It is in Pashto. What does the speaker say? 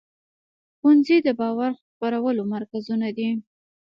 ښوونځي د باور خپرولو مرکزونه دي.